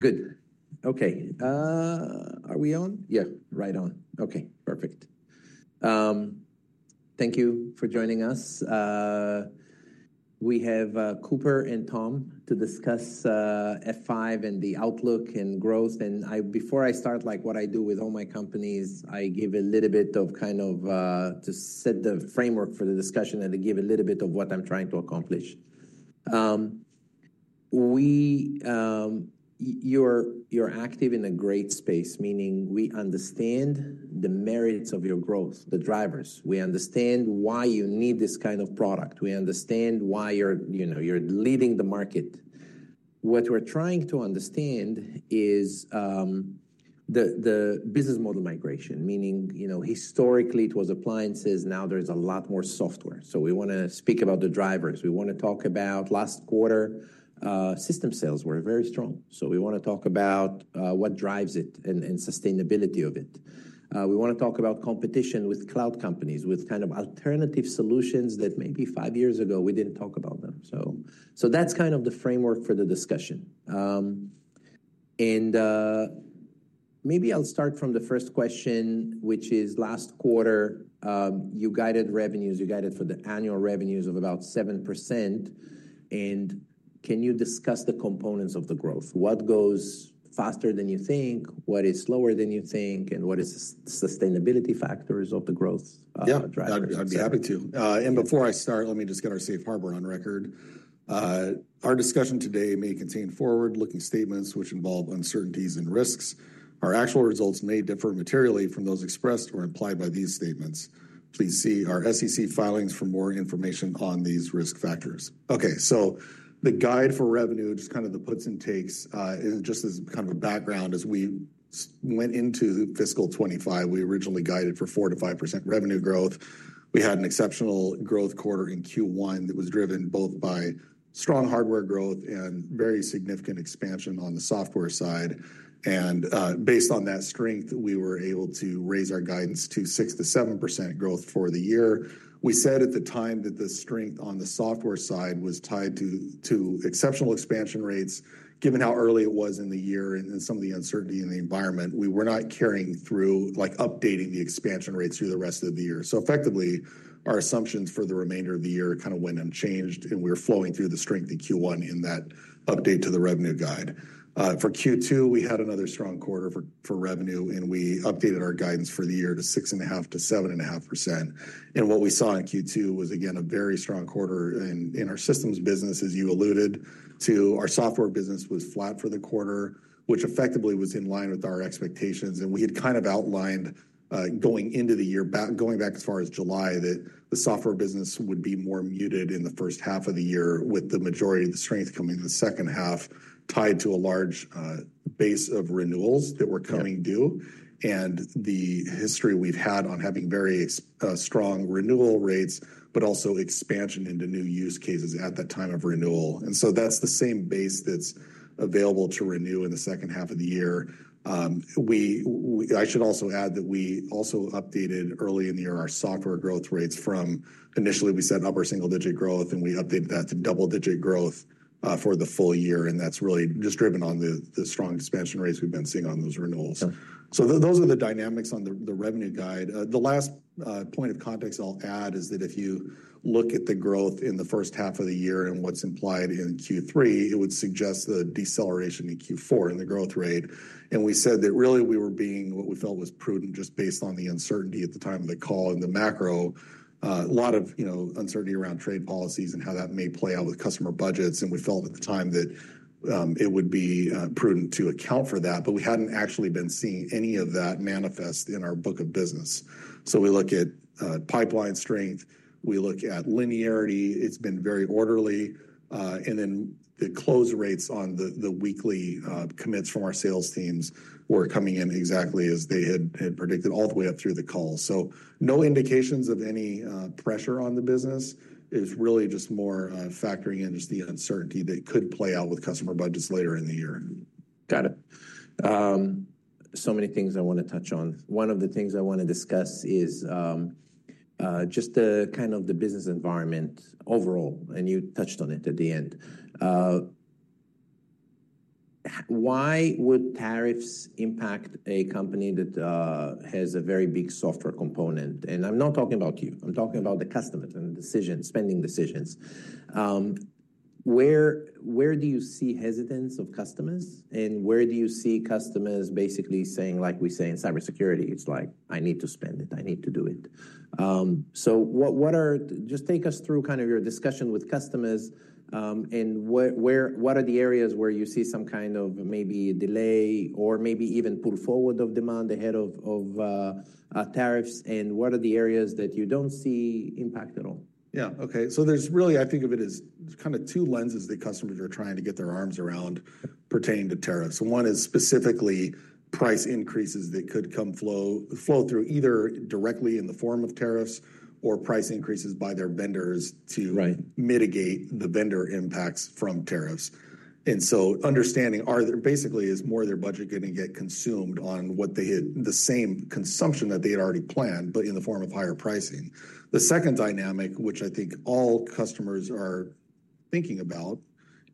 Good. Okay. Are we on? Yeah, right on. Okay. Perfect. Thank you for joining us. We have Cooper and Tom to discuss F5 and the outlook and growth. Before I start, like what I do with all my companies, I give a little bit of kind of to set the framework for the discussion, and I give a little bit of what I'm trying to accomplish. You're active in a great space, meaning we understand the merits of your growth, the drivers. We understand why you need this kind of product. We understand why you're leading the market. What we're trying to understand is the business model migration, meaning historically it was appliances, now there's a lot more software. We want to speak about the drivers. We want to talk about last Quarter system sales were very strong. We want to talk about what drives it and sustainability of it. We want to talk about competition with cloud companies, with kind of alternative solutions that maybe five years ago we did not talk about them. That is kind of the framework for the discussion. Maybe I will start from the first question, which is last Quarter, you guided revenues, you guided for the annual revenues of about 7%. Can you discuss the components of the growth? What goes faster than you think? What is slower than you think? What are the sustainability factors of the growth drivers? Yeah, I'd be happy to. Before I start, let me just get our safe harbor on record. Our discussion today may contain forward-looking statements which involve uncertainties and risks. Our actual results may differ materially from those expressed or implied by these statements. Please see our SEC filings for more information on these risk factors. Okay. The guide for revenue, just kind of the puts and takes, and just as kind of a background, as we went into fiscal 2025, we originally guided for 4%-5% revenue growth. We had an exceptional growth Quarter in Q1 that was driven both by strong hardware growth and very significant expansion on the software side. Based on that strength, we were able to raise our guidance to 6%-7% growth for the year. We said at the time that the strength on the software side was tied to exceptional expansion rates, given how early it was in the year and some of the uncertainty in the environment, we were not carrying through like updating the expansion rates through the rest of the year. So effectively, our assumptions for the remainder of the year kind of went unchanged, and we were flowing through the strength in Q1 in that update to the revenue guide. For Q2, we had another strong Quarter for revenue, and we updated our guidance for the year to 6.5%-7.5%.. And what we saw in Q2 was, again, a very strong Quarter in our systems business, as you alluded to. Our software business was flat for the Quarter, which effectively was in line with our expectations. We had kind of outlined going into the year, going back as far as July, that the software business would be more muted in the First Half of the year with the majority of the strength coming in the Second Half tied to a large base of renewals that were coming due. The history we've had on having very strong renewal rates, but also expansion into new use cases at that time of renewal. That is the same base that's available to renew in the Second Half of the year. I should also add that we also updated early in the year our software growth rates from initially we said upper single-digit growth, and we updated that to double-digit growth for the full year. That is really just driven on the strong expansion rates we've been seeing on those renewals. Those are the dynamics on the revenue guide. The last point of context I'll add is that if you look at the growth in the First Half of the year and what's implied in Q3, it would suggest the deceleration in Q4 and the growth rate. We said that really we were being what we felt was prudent just based on the uncertainty at the time of the call and the macro, a lot of uncertainty around trade policies and how that may play out with customer budgets. We felt at the time that it would be prudent to account for that, but we hadn't actually been seeing any of that manifest in our book of business. We look at pipeline strength, we look at linearity, it's been very orderly. The close rates on the weekly commits from our sales teams were coming in exactly as they had predicted all the way up through the call. No indications of any pressure on the business. It is really just more factoring in just the uncertainty that could play out with customer budgets later in the year. Got it. So many things I want to touch on. One of the things I want to discuss is just the kind of the business environment overall, and you touched on it at the end. Why would tariffs impact a company that has a very big software component? I'm not talking about you. I'm talking about the customers and decisions, spending decisions. Where do you see hesitance of customers? Where do you see customers basically saying, like we say in cybersecurity, it's like, I need to spend it, I need to do it. What are just take us through kind of your discussion with customers and what are the areas where you see some kind of maybe delay or maybe even pull forward of demand ahead of tariffs? What are the areas that you don't see impact at all? Yeah. Okay. So there's really, I think of it as kind of two lenses that customers are trying to get their arms around pertaining to tariffs. One is specifically price increases that could come flow through either directly in the form of tariffs or price increases by their vendors to mitigate the vendor impacts from tariffs. And so understanding are there basically is more of their budget going to get consumed on what they had, the same consumption that they had already planned, but in the form of higher pricing. The second dynamic, which I think all customers are thinking about,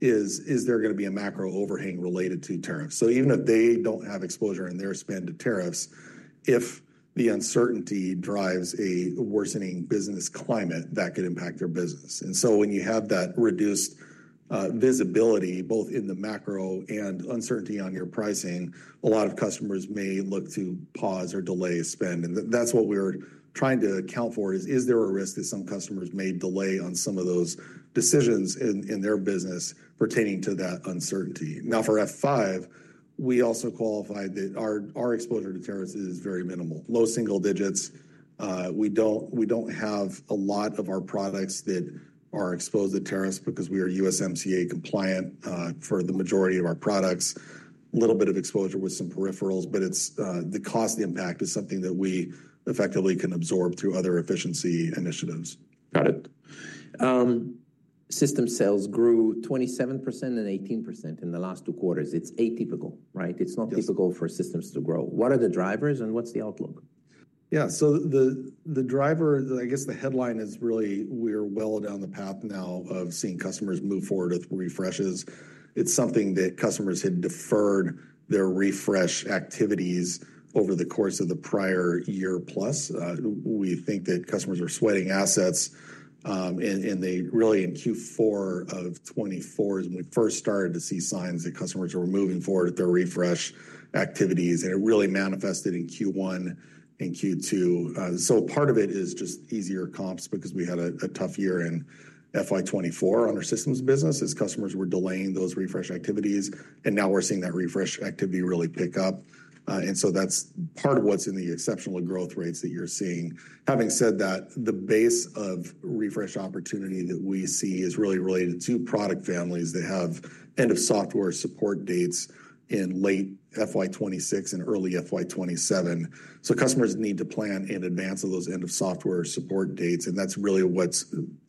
is there going to be a macro overhang related to tariffs. Even if they don't have exposure in their spend to tariffs, if the uncertainty drives a worsening business climate, that could impact their business. When you have that reduced visibility both in the macro and uncertainty on your pricing, a lot of customers may look to pause or delay spend. That is what we're trying to account for, is there a risk that some customers may delay on some of those decisions in their business pertaining to that uncertainty? Now, for F5, we also qualify that our exposure to tariffs is very minimal, low single digits. We do not have a lot of our products that are exposed to tariffs because we are USMCA compliant for the majority of our products. A little bit of exposure with some peripherals, but the cost impact is something that we effectively can absorb through other efficiency initiatives. Got it. System sales grew 27% and 18% in the last two Quarters. It's atypical, right? It's not typical for systems to grow. What are the drivers and what's the outlook? Yeah. The driver, I guess the headline is really we're well down the path now of seeing customers move forward with refreshes. It's something that customers had deferred their refresh activities over the course of the prior year plus. We think that customers are sweating assets. They really in Q4 of 2024 is when we first started to see signs that customers were moving forward with their refresh activities. It really manifested in Q1 and Q2. Part of it is just easier comps because we had a tough year in FY2024 on our systems business as customers were delaying those refresh activities. Now we're seeing that refresh activity really pick up. That's part of what's in the exceptional growth rates that you're seeing. Having said that, the base of refresh opportunity that we see is really related to product families that have end-of-software support dates in late fiscal year 2026 and early fiscal year 2027. Customers need to plan in advance of those end-of-software support dates. That is really what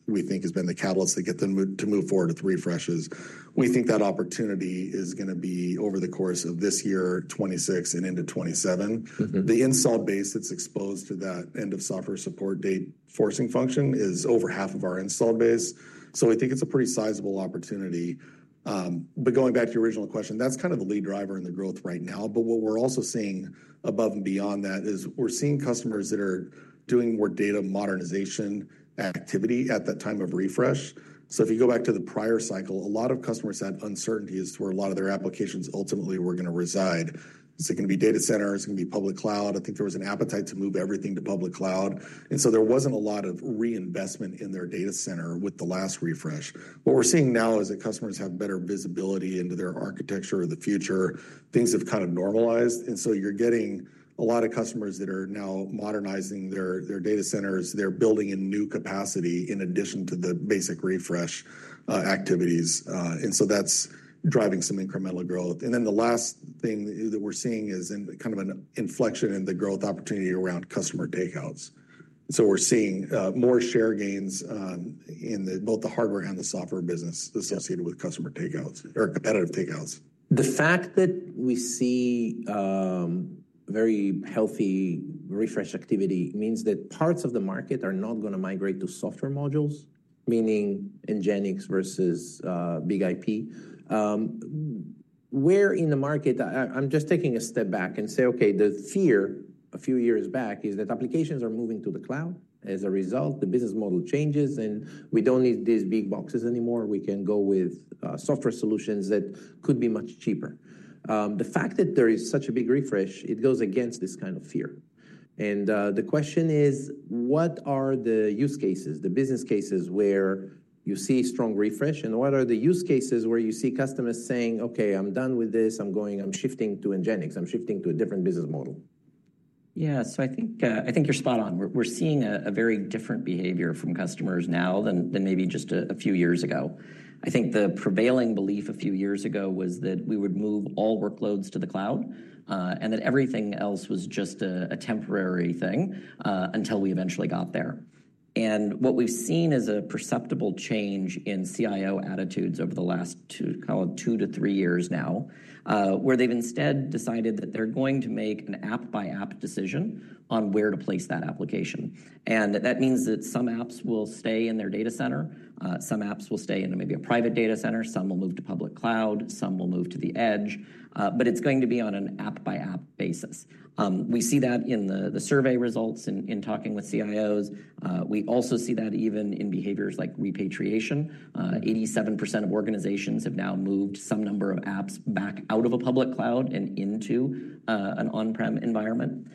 we think has been the catalyst to get them to move forward with refreshes. We think that opportunity is going to be over the course of this year, 2026 and into 2027. The install base that is exposed to that end-of-software support date forcing function is over half of our install base. I think it is a pretty sizable opportunity. Going back to your original question, that is kind of the lead driver in the growth right now. What we are also seeing above and beyond that is we are seeing customers that are doing more data modernization activity at that time of refresh. If you go back to the prior cycle, a lot of customers had uncertainties where a lot of their applications ultimately were going to reside. It's going to be data centers, it's going to be public cloud. I think there was an appetite to move everything to public cloud. There wasn't a lot of reinvestment in their data center with the last refresh. What we're seeing now is that customers have better visibility into their architecture of the future. Things have kind of normalized. You're getting a lot of customers that are now modernizing their data centers. They're building in new capacity in addition to the basic refresh activities. That's driving some incremental growth. The last thing that we're seeing is kind of an inflection in the growth opportunity around customer takeouts. We're seeing more share gains in both the hardware and the software business associated with customer takeouts or competitive takeouts. The fact that we see very healthy refresh activity means that parts of the market are not going to migrate to software modules, meaning NGINX versus BIG-IP. Where in the market, I'm just taking a step back and say, okay, the fear a few years back is that applications are moving to the cloud. As a result, the business model changes and we don't need these big boxes anymore. We can go with software solutions that could be much cheaper. The fact that there is such a big refresh, it goes against this kind of fear. The question is, what are the use cases, the business cases where you see strong refresh and what are the use cases where you see customers saying, okay, I'm done with this, I'm shifting to NGINX, I'm shifting to a different business model? Yeah. I think you're spot on. We're seeing a very different behavior from customers now than maybe just a few years ago. I think the prevailing belief a few years ago was that we would move all workloads to the cloud and that everything else was just a temporary thing until we eventually got there. What we've seen is a perceptible change in CIO attitudes over the last two to three years now, where they've instead decided that they're going to make an app-by-app decision on where to place that application. That means that some apps will stay in their data center, some apps will stay in maybe a private data center, some will move to public cloud, some will move to the edge, but it's going to be on an app-by-app basis. We see that in the survey results in talking with CIOs. We also see that even in behaviors like repatriation. 87% of organizations have now moved some number of apps back out of a public cloud and into an on-prem environment.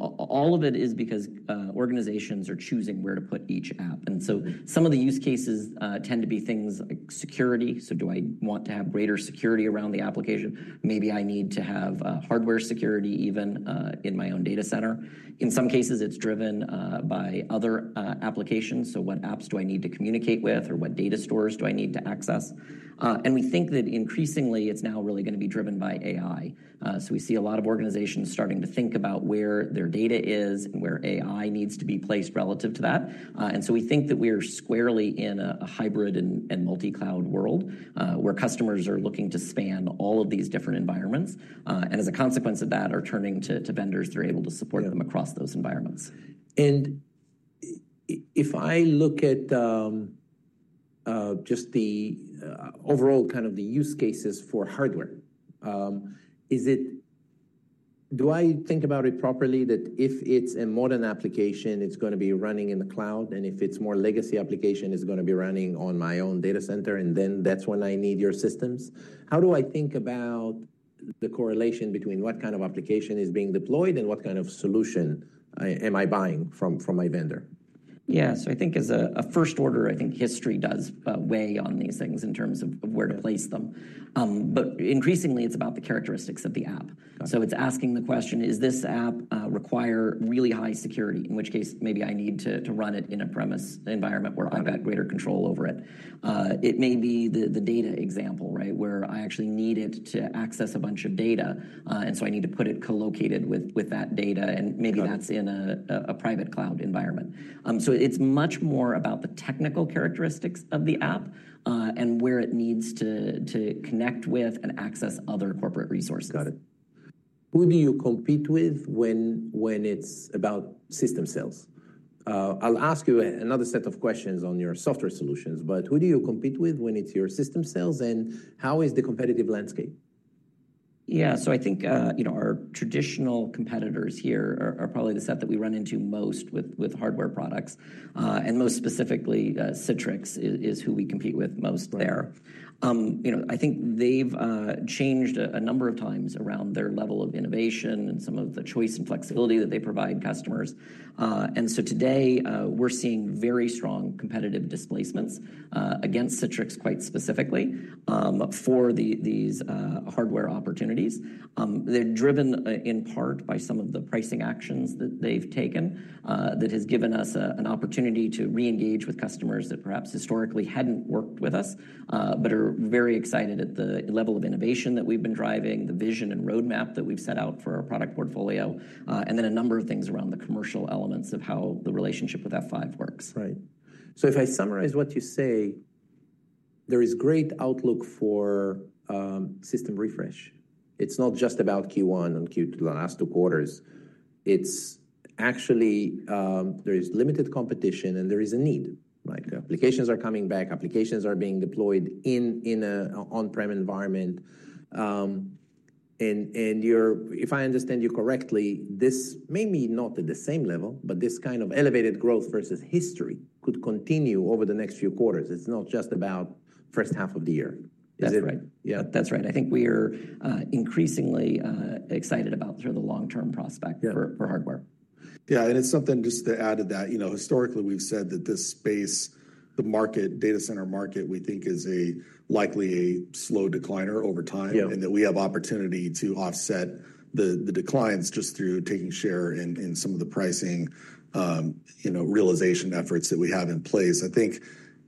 All of it is because organizations are choosing where to put each app. Some of the use cases tend to be things like security. Do I want to have greater security around the application? Maybe I need to have hardware security even in my own data center. In some cases, it is driven by other applications. What apps do I need to communicate with or what data stores do I need to access? We think that increasingly it is now really going to be driven by AI. We see a lot of organizations starting to think about where their data is and where AI needs to be placed relative to that. We think that we are squarely in a hybrid and multi-cloud world where customers are looking to span all of these different environments. As a consequence of that, they are turning to vendors that are able to support them across those environments. If I look at just the overall kind of the use cases for hardware, do I think about it properly that if it's a modern application, it's going to be running in the cloud and if it's more legacy application, it's going to be running on my own data center and then that's when I need your systems? How do I think about the correlation between what kind of application is being deployed and what kind of solution am I buying from my vendor? Yeah. I think as a first order, I think history does weigh on these things in terms of where to place them. Increasingly, it's about the characteristics of the app. It's asking the question, does this app require really high security, in which case maybe I need to run it in a premise environment where I've got greater control over it. It may be the data example, right, where I actually need it to access a bunch of data. I need to put it co-located with that data and maybe that's in a private cloud environment. It's much more about the technical characteristics of the app and where it needs to connect with and access other corporate resources. Got it. Who do you compete with when it's about system sales? I'll ask you another set of questions on your software solutions, but who do you compete with when it's your system sales and how is the competitive landscape? Yeah. I think our traditional competitors here are probably the set that we run into most with hardware products. Most specifically, Citrix is who we compete with most there. I think they've changed a number of times around their level of innovation and some of the choice and flexibility that they provide customers. Today, we're seeing very strong competitive displacements against Citrix quite specifically for these hardware opportunities. They're driven in part by some of the pricing actions that they've taken that has given us an opportunity to reengage with customers that perhaps historically hadn't worked with us, but are very excited at the level of innovation that we've been driving, the vision and roadmap that we've set out for our product portfolio, and then a number of things around the commercial elements of how the relationship with F5 works. Right. If I summarize what you say, there is great outlook for system refresh. It's not just about Q1 and Q2, the last two Quarters. Actually, there is limited competition and there is a need. Applications are coming back, applications are being deployed in an on-prem environment. If I understand you correctly, this may be not at the same level, but this kind of elevated growth versus history could continue over the next few Quarters. It's not just about First Half of the year. That's right. I think we are increasingly excited about sort of the long-term prospect for hardware. Yeah. And it's something just to add to that. Historically, we've said that this space, the market, data center market, we think is likely a slow decliner over time and that we have opportunity to offset the declines just through taking share in some of the pricing realization efforts that we have in place. I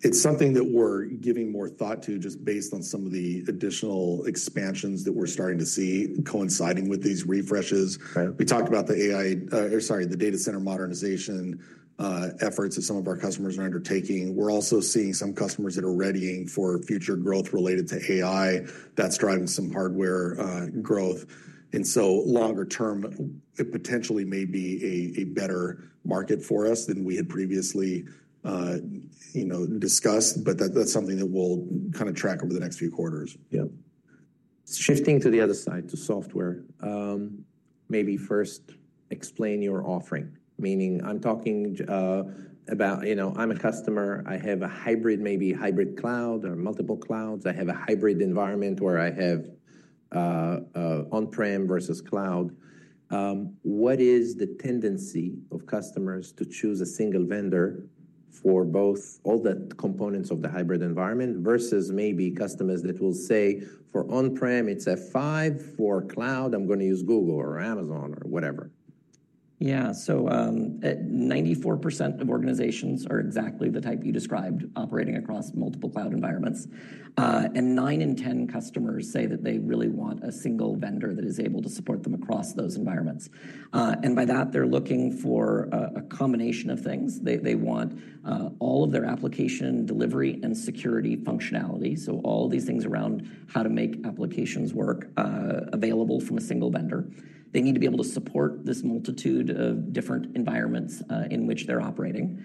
think it's something that we're giving more thought to just based on some of the additional expansions that we're starting to see coinciding with these refreshes. We talked about the AI, sorry, the data center modernization efforts that some of our customers are undertaking. We're also seeing some customers that are readying for future growth related to AI that's driving some hardware growth. And so longer term, it potentially may be a better market for us than we had previously discussed, but that's something that we'll kind of track over the next few Quarters. Yeah. Shifting to the other side, to software, maybe first explain your offering, meaning I'm talking about I'm a customer, I have a hybrid, maybe hybrid cloud or multiple clouds. I have a hybrid environment where I have on-prem versus cloud. What is the tendency of customers to choose a single vendor for both all the components of the hybrid environment versus maybe customers that will say for on-prem, it's F5, for cloud, I'm going to use Google or Amazon or whatever? Yeah. 94% of organizations are exactly the type you described, operating across multiple cloud environments. 9 in 10 customers say that they really want a single vendor that is able to support them across those environments. By that, they're looking for a combination of things. They want all of their application delivery and security functionality. All these things around how to make applications work available from a single vendor. They need to be able to support this multitude of different environments in which they're operating.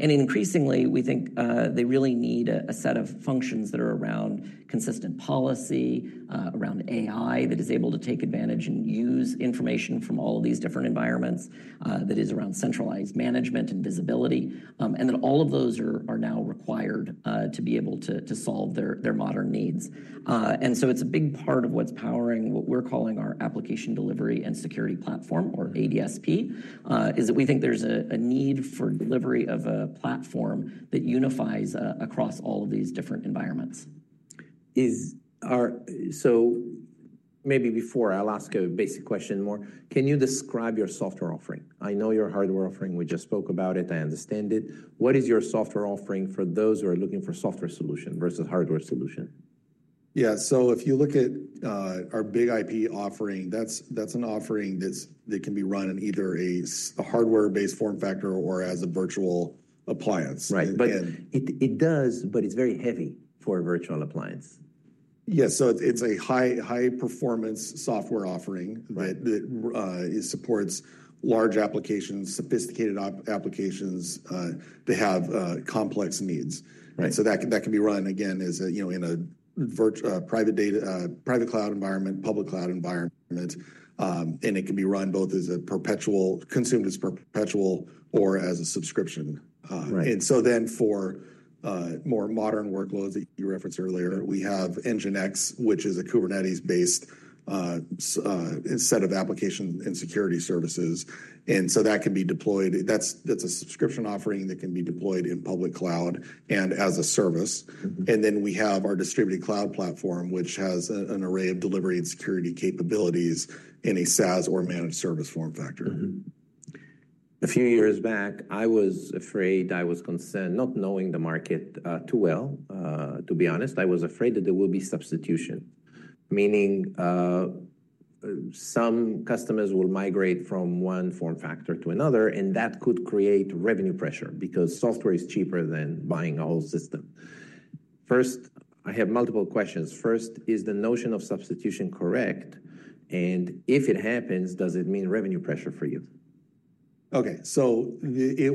Increasingly, we think they really need a set of functions that are around consistent policy, around AI that is able to take advantage and use information from all of these different environments that is around centralized management and visibility. All of those are now required to be able to solve their modern needs. It's a big part of what's powering what we're calling our application delivery and security platform or ADSP is that we think there's a need for delivery of a platform that unifies across all of these different environments. Maybe before, I'll ask a basic question. Can you describe your software offering? I know your hardware offering, we just spoke about it, I understand it. What is your software offering for those who are looking for a software solution versus a hardware solution? Yeah. So if you look at our BIG-IP offering, that's an offering that can be run in either a hardware-based form factor or as a virtual appliance. Right. It does, but it's very heavy for a virtual appliance. Yeah. It is a high-performance software offering that supports large applications, sophisticated applications that have complex needs. That can be run again in a private cloud environment, public cloud environment. It can be run both as a perpetual, consumed as perpetual or as a subscription. For more modern workloads that you referenced earlier, we have NGINX, which is a Kubernetes-based set of applications and security services. That can be deployed. That is a subscription offering that can be deployed in public cloud and as a service. We have our distributed cloud platform, which has an array of delivery and security capabilities in a SaaS or managed service form factor. A few years back, I was afraid, I was concerned, not knowing the market too well, to be honest, I was afraid that there will be substitution, meaning some customers will migrate from one form factor to another and that could create revenue pressure because software is cheaper than buying a whole system. First, I have multiple questions. First, is the notion of substitution correct? And if it happens, does it mean revenue pressure for you? Okay. That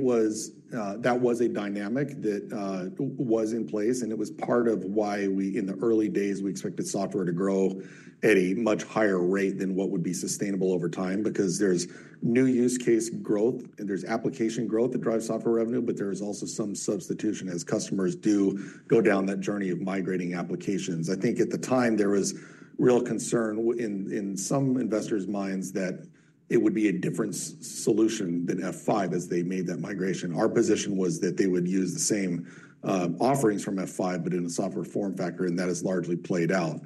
was a dynamic that was in place and it was part of why in the early days, we expected software to grow at a much higher rate than what would be sustainable over time because there is new use case growth and there is application growth that drives software revenue, but there is also some substitution as customers do go down that journey of migrating applications. I think at the time, there was real concern in some investors' minds that it would be a different solution than F5 as they made that migration. Our position was that they would use the same offerings from F5, but in a software form factor and that has largely played out.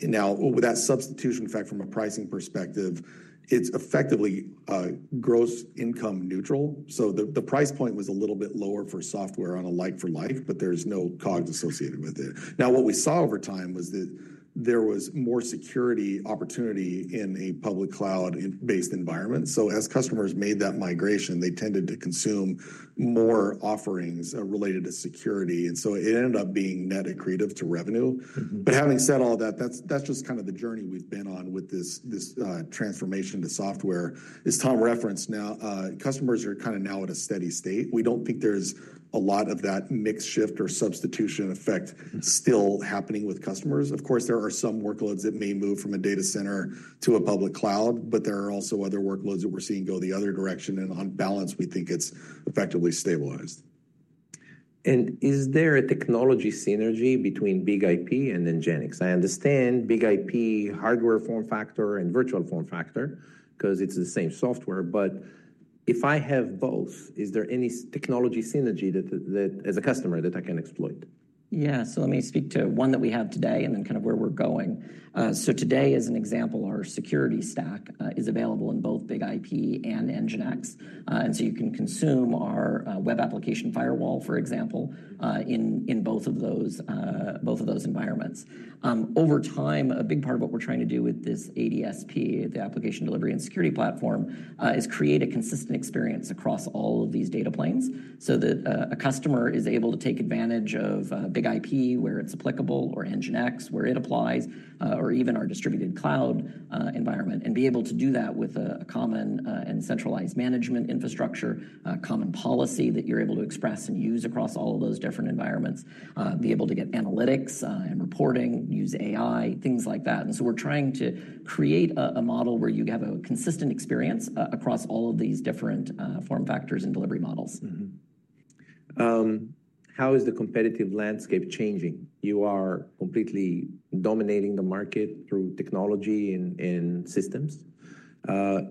Now, with that substitution effect from a pricing perspective, it is effectively gross income neutral. The price point was a little bit lower for software on a like-for-like, but there's no COGS associated with it. What we saw over time was that there was more security opportunity in a public cloud-based environment. As customers made that migration, they tended to consume more offerings related to security. It ended up being net accretive to revenue. Having said all that, that's just kind of the journey we've been on with this transformation to software. As Tom referenced now, customers are kind of now at a steady state. We don't think there's a lot of that mixed shift or substitution effect still happening with customers. Of course, there are some workloads that may move from a data center to a public cloud, but there are also other workloads that we're seeing go the other direction. On balance, we think it's effectively stabilized. Is there a technology synergy between BIG-IP and NGINX? I understand BIG-IP, hardware form factor and virtual form factor because it's the same software, but if I have both, is there any technology synergy as a customer that I can exploit? Yeah. Let me speak to one that we have today and then kind of where we're going. Today, as an example, our security stack is available in both BIG-IP and NGINX. You can consume our web application firewall, for example, in both of those environments. Over time, a big part of what we're trying to do with this ADSP, the Application Delivery and Security Platform, is create a consistent experience across all of these data planes so that a customer is able to take advantage of BIG-IP where it's applicable or NGINX where it applies, or even our distributed cloud environment and be able to do that with a common and centralized management infrastructure, common policy that you're able to express and use across all of those different environments, be able to get analytics and reporting, use AI, things like that. We're trying to create a model where you have a consistent experience across all of these different form factors and delivery models. How is the competitive landscape changing? You are completely dominating the market through technology and systems.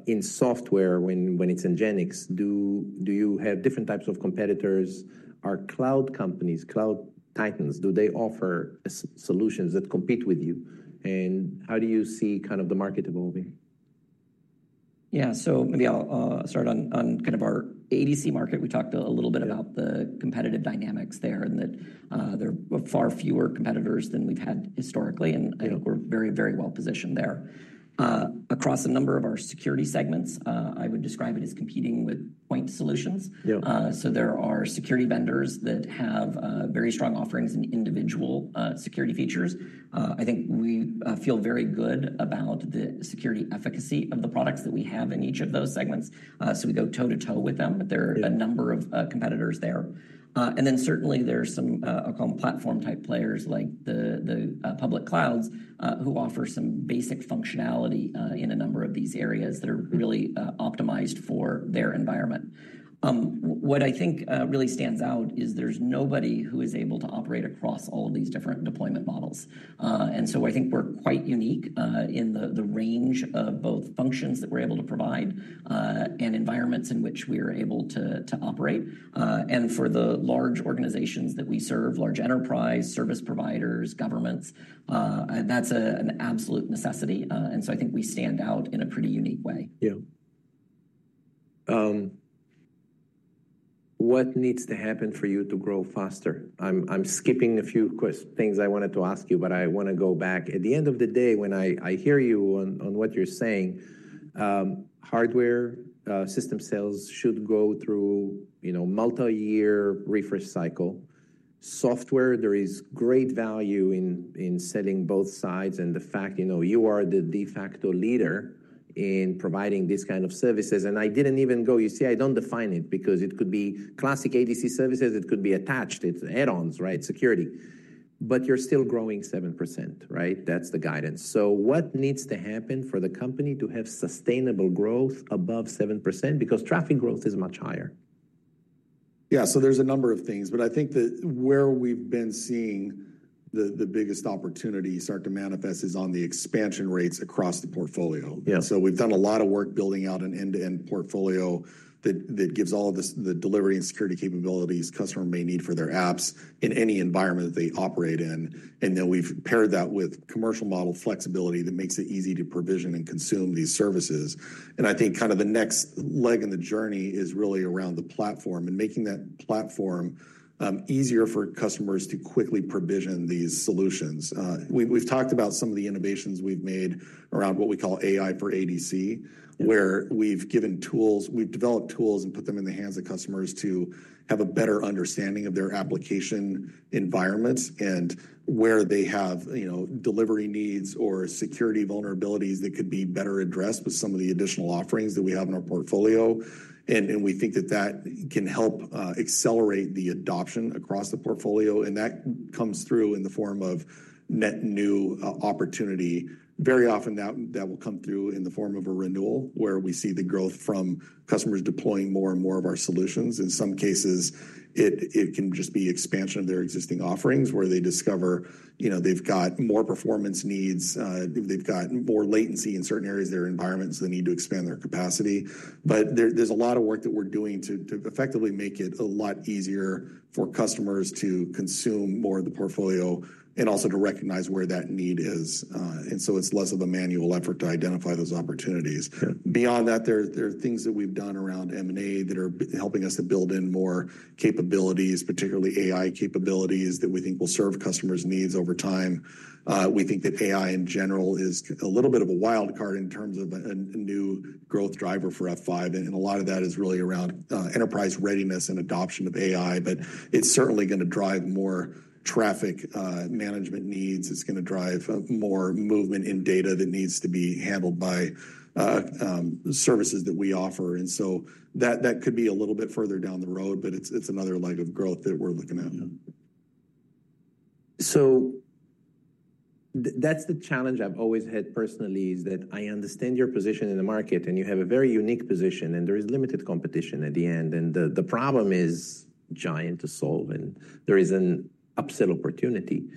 In software, when it's NGINX, do you have different types of competitors? Are cloud companies, cloud titans, do they offer solutions that compete with you? How do you see kind of the market evolving? Yeah. Maybe I'll start on kind of our ADC market. We talked a little bit about the competitive dynamics there and that there are far fewer competitors than we've had historically. I think we're very, very well positioned there. Across a number of our security segments, I would describe it as competing with point solutions. There are security vendors that have very strong offerings in individual security features. I think we feel very good about the security efficacy of the products that we have in each of those segments. We go toe-to-toe with them, but there are a number of competitors there. Certainly, there are some platform-type players like the public clouds who offer some basic functionality in a number of these areas that are really optimized for their environment. What I think really stands out is there's nobody who is able to operate across all of these different deployment models. I think we're quite unique in the range of both functions that we're able to provide and environments in which we are able to operate. For the large organizations that we serve, large enterprise, service providers, governments, that's an absolute necessity. I think we stand out in a pretty unique way. Yeah. What needs to happen for you to grow faster? I'm skipping a few things I wanted to ask you, but I want to go back. At the end of the day, when I hear you on what you're saying, hardware system sales should go through a multi-year refresh cycle. Software, there is great value in setting both sides and the fact you are the de facto leader in providing this kind of services. I didn't even go, you see, I don't define it because it could be classic ADC services, it could be attached, it's add-ons, right, security. You're still growing 7%, right? That's the guidance. What needs to happen for the company to have sustainable growth above 7%? Because traffic growth is much higher. Yeah. There is a number of things, but I think that where we've been seeing the biggest opportunity start to manifest is on the expansion rates across the portfolio. We have done a lot of work building out an end-to-end portfolio that gives all of the delivery and security capabilities customers may need for their apps in any environment that they operate in. We have paired that with commercial model flexibility that makes it easy to provision and consume these services. I think kind of the next leg in the journey is really around the platform and making that platform easier for customers to quickly provision these solutions. We've talked about some of the innovations we've made around what we call AI for ADC, where we've given tools, we've developed tools and put them in the hands of customers to have a better understanding of their application environments and where they have delivery needs or security vulnerabilities that could be better addressed with some of the additional offerings that we have in our portfolio. We think that that can help accelerate the adoption across the portfolio. That comes through in the form of net new opportunity. Very often that will come through in the form of a renewal where we see the growth from customers deploying more and more of our solutions. In some cases, it can just be expansion of their existing offerings where they discover they've got more performance needs, they've got more latency in certain areas of their environments, they need to expand their capacity. There is a lot of work that we're doing to effectively make it a lot easier for customers to consume more of the portfolio and also to recognize where that need is. It is less of a manual effort to identify those opportunities. Beyond that, there are things that we've done around M&A that are helping us to build in more capabilities, particularly AI capabilities that we think will serve customers' needs over time. We think that AI in general is a little bit of a wild card in terms of a new growth driver for F5. A lot of that is really around enterprise readiness and adoption of AI. It is certainly going to drive more traffic management needs. It is going to drive more movement in data that needs to be handled by services that we offer. That could be a little bit further down the road, but it is another leg of growth that we are looking at. That's the challenge I've always had personally is that I understand your position in the market and you have a very unique position and there is limited competition at the end. The problem is giant to solve and there is an upsell opportunity.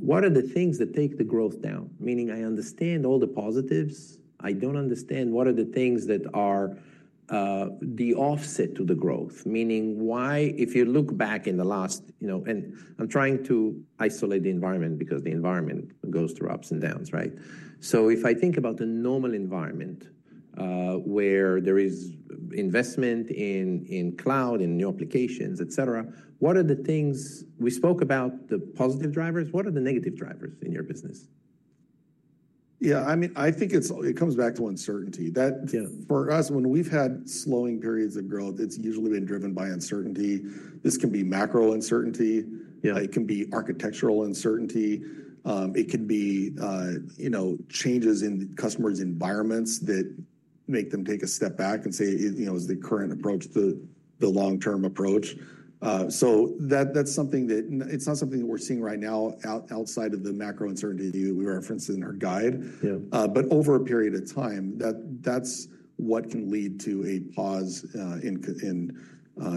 What are the things that take the growth down? Meaning I understand all the positives, I don't understand what are the things that are the offset to the growth? Meaning why, if you look back in the last, and I'm trying to isolate the environment because the environment goes through ups and downs, right? If I think about a normal environment where there is investment in cloud, in new applications, etc., what are the things we spoke about, the positive drivers, what are the negative drivers in your business? Yeah. I mean, I think it comes back to uncertainty. For us, when we've had slowing periods of growth, it's usually been driven by uncertainty. This can be macro uncertainty, it can be architectural uncertainty, it can be changes in customers' environments that make them take a step back and say, is the current approach the long-term approach? That's something that it's not something that we're seeing right now outside of the macro uncertainty we referenced in our guide. Over a period of time, that's what can lead to a pause in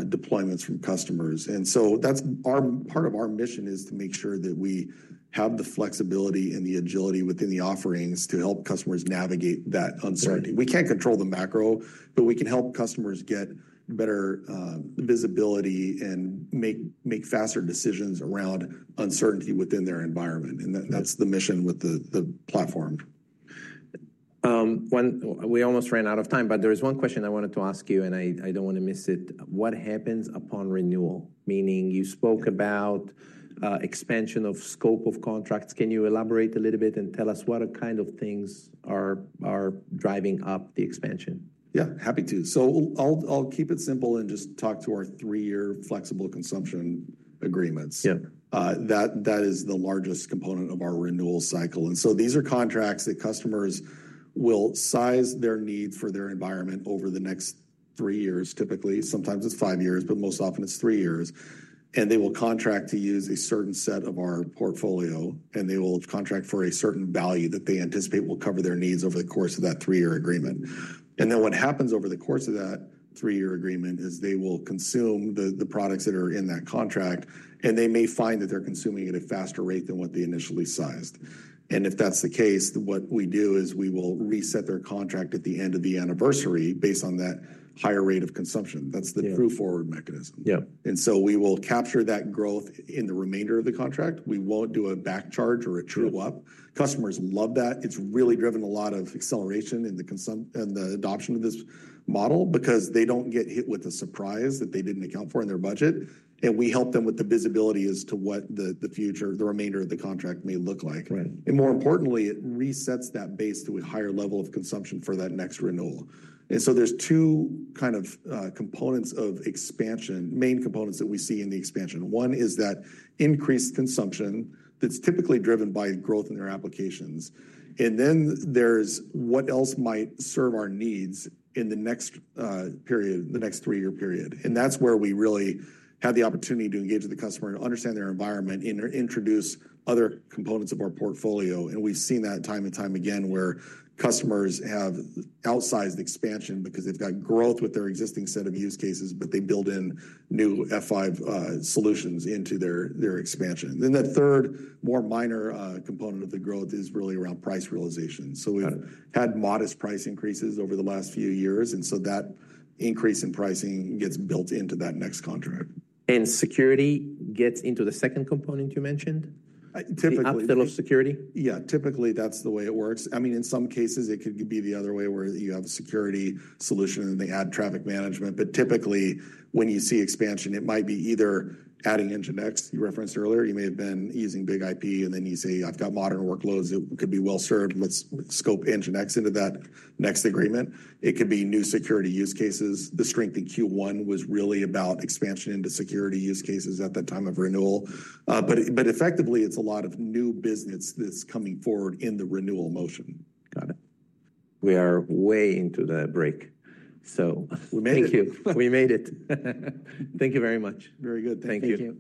deployments from customers. That's part of our mission, to make sure that we have the flexibility and the agility within the offerings to help customers navigate that uncertainty. We can't control the macro, but we can help customers get better visibility and make faster decisions around uncertainty within their environment. That's the mission with the platform. We almost ran out of time, but there is one question I wanted to ask you and I don't want to miss it. What happens upon renewal? Meaning you spoke about expansion of scope of contracts. Can you elaborate a little bit and tell us what kind of things are driving up the expansion? Yeah, happy to. I'll keep it simple and just talk to our three-year flexible consumption agreements. That is the largest component of our renewal cycle. These are contracts that customers will size their need for their environment over the next three years, typically. Sometimes it's five years, but most often it's three years. They will contract to use a certain set of our portfolio and they will contract for a certain value that they anticipate will cover their needs over the course of that three-year agreement. What happens over the course of that three-year agreement is they will consume the products that are in that contract and they may find that they're consuming at a faster rate than what they initially sized. If that's the case, what we do is we will reset their contract at the end of the anniversary based on that higher rate of consumption. That's the true forward mechanism. We will capture that growth in the remainder of the contract. We won't do a back charge or a true up. Customers love that. It's really driven a lot of acceleration in the adoption of this model because they don't get hit with a surprise that they didn't account for in their budget. We help them with the visibility as to what the future, the remainder of the contract may look like. More importantly, it resets that base to a higher level of consumption for that next renewal. There are two kind of components of expansion, main components that we see in the expansion. One is that increased consumption that's typically driven by growth in their applications. There is what else might serve our needs in the next period, the next three-year period. That is where we really have the opportunity to engage with the customer and understand their environment and introduce other components of our portfolio. We have seen that time and time again where customers have outsized expansion because they have got growth with their existing set of use cases, but they build in new F5 solutions into their expansion. The third, more minor component of the growth is really around price realization. We have had modest price increases over the last few years. That increase in pricing gets built into that next contract. Security gets into the second component you mentioned? Typically. Fellow security? Yeah, typically that's the way it works. I mean, in some cases, it could be the other way where you have a security solution and they add traffic management. Typically, when you see expansion, it might be either adding NGINX you referenced earlier. You may have been using BIG-IP and then you say, "I've got modern workloads that could be well served. Let's scope NGINX into that next agreement." It could be new security use cases. The strength in Q1 was really about expansion into security use cases at that time of renewal. Effectively, it's a lot of new business that's coming forward in the renewal motion. Got it. We are way into the break. We made it. Thank you. We made it. Thank you very much. Very good. Thank you.